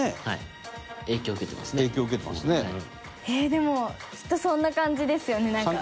でも、きっとそんな感じですよね、なんか。